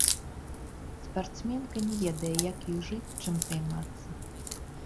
Спартсменка не ведае, як ёй жыць, чым займацца.